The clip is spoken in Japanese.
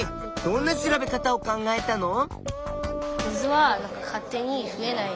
どんな調べ方を考えたの？